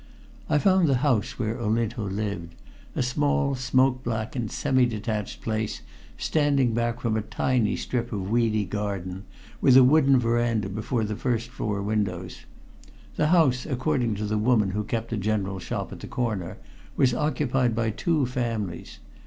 I found the house where Olinto lived a small, smoke blackened, semi detached place standing back in a tiny strip of weedy garden, with a wooden veranda before the first floor windows. The house, according to the woman who kept a general shop at the corner, was occupied by two families.